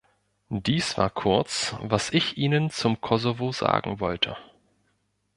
Dies war kurz, was ich Ihnen zum Kosovo sagen wollte.